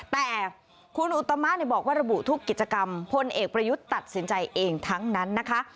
แต่คุณอุตมะบอกว่าระบุทุกกิจกรรมพลเอกประยุทธ์ตัดสินใจเองทั้งนั้นนะคะ